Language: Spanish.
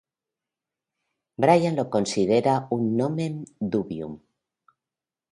Bryant lo considera un "nomen dubium".